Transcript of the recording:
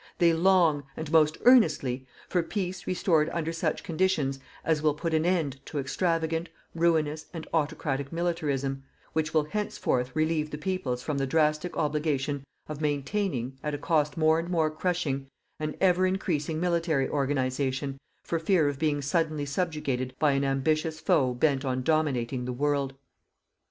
They long, and most earnestly, for peace restored under such conditions as will put an end to extravagant, ruinous and autocratic militarism, which will henceforth relieve the peoples from the drastic obligation of maintaining, at a cost more and more crushing, an ever increasing military organization for fear of being suddenly subjugated by an ambitious foe bent on dominating the world.